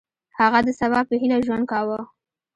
هغه د سبا په هیله ژوند کاوه.